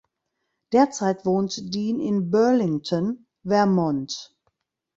Derzeit wohnt Dean in Burlington, Vermont.